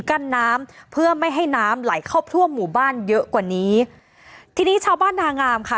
กั้นน้ำเพื่อไม่ให้น้ำไหลเข้าทั่วหมู่บ้านเยอะกว่านี้ทีนี้ชาวบ้านนางามค่ะ